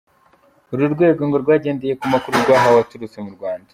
Uru rwego ngo rwagendeye ku makuru rwahawe aturutse mu Rwanda.